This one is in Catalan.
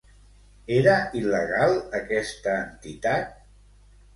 Era il·legal aquesta entitat?